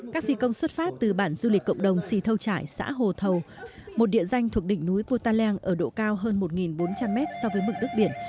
các phi công xuất phát từ bản du lịch cộng đồng xì thâu trải xã hồ thầu một địa danh thuộc đỉnh núi putaleng ở độ cao hơn một bốn trăm linh mét so với mực đất biển